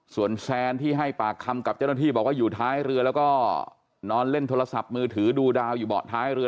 ส่วนแซนที่ให้ปากคำกับเจ้าหน้าที่บอกว่าอยู่ท้ายเรือแล้วก็นอนเล่นโทรศัพท์มือถือดูดาวอยู่เบาะท้ายเรือ